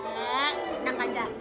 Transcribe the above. eh enak aja